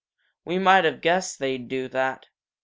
"We might have guessed they'd do that!"